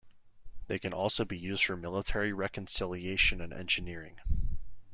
They can also be used for military reconciliation and engineering.